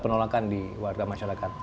penolakan di warga masyarakat